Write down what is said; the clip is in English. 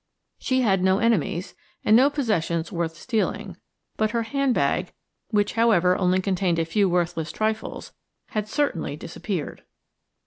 She had no enemies, and no possessions worth stealing; but her hand bag, which, however, only contained a few worthless trifles, had certainly disappeared.